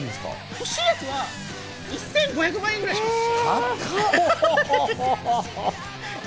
欲しいやつは１５００万ぐらいします。